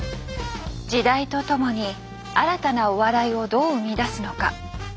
時代とともに新たなお笑いをどう生み出すのか。